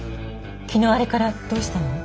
昨日あれからどうしたの？